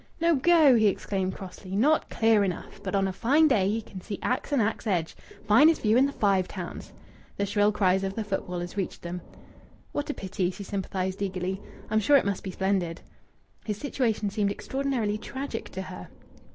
"No go!" he exclaimed crossly. "Not clear enough! But on a fine day ye can see Axe and Axe Edge.... Finest view in the Five Towns." The shrill cries of the footballers reached them. "What a pity!" she sympathized eagerly. "I'm sure it must be splendid." His situation seemed extraordinarily tragic to her.